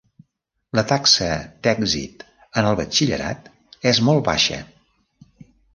La taxa d'èxit en el batxillerat és molt baixa.